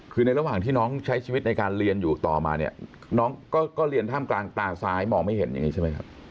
คือในระหว่างที่น้องใช้ชีวิตในการเรียนอยู่ต่อมาเนี่ยน้องก็เรียนท่ามกลางตาซ้ายมองไม่เห็นอย่างนี้ใช่ไหมครับ